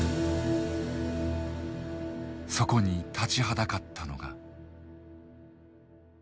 そこに立ちはだかったのが。